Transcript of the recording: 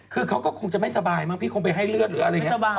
คือเขาก็คงจะไม่สบายมั้งพี่คงไปให้เลือดหรืออะไรอย่างนี้